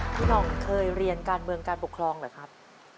หน่องเคยเรียนการเมืองการปกครองเหรอครับ